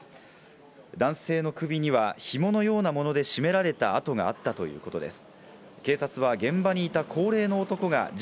男性の首にはひものようなもので絞められた痕があったということです。